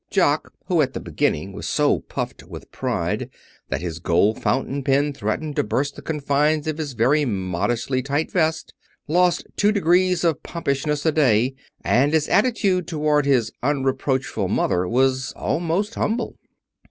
Jock, who at the beginning was so puffed with pride that his gold fountain pen threatened to burst the confines of his very modishly tight vest, lost two degrees of pompousness a day, and his attitude toward his unreproachful mother was almost humble.